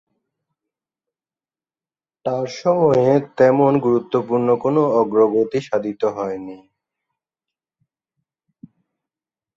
তাঁর সময়ে তেমন গুরুত্বপূর্ণ কোনো অগ্রগতি সাধিত হয়নি।